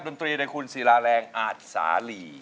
ดนตรีโดยคุณศิลาแรงอาจสาลี